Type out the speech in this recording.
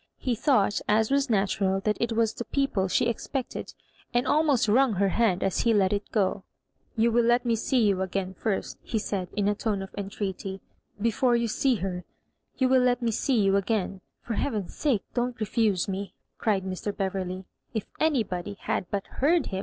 He thought, as was natu ral, that it was the people she expected, and almost wrung her hand as he let it go. " You Digitized by Google 86 MISS IfABJORIBANKa will let me see yoa agaia first," he Baid, id a tone of entreaty. "Before you see her, you will let me see you again. For beaven^s sake, don't re fuse me," cried Mr. Beverley. If anybody had but heard him